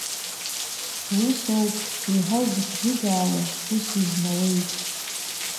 Усоуп, еиҳа узыхӡыӡаауа ус узнауеит.